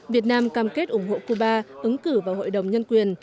việt nam cam kết ủng hộ cuba ứng cử vào hội đồng nhân quyền